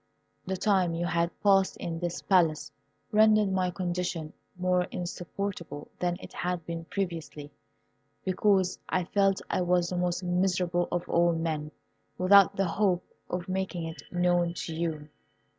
The time you had passed in this Palace rendered my condition more insupportable than it had been previously, because I felt I was the most miserable of all men, without the hope of making it known to you.